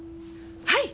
はい！